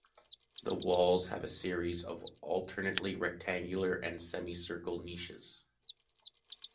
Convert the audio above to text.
The walls have a series of alternately rectangular and semi-circular niches.